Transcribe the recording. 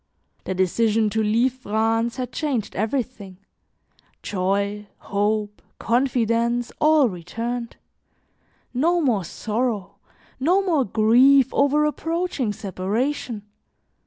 The decision to leave France had changed everything: joy, hope, confidence, all returned; no more sorrow, no more grief over approaching separation.